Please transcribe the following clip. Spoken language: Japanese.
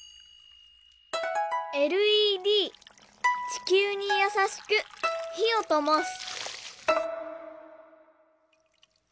「ＬＥＤ地球にやさしくひをともす」。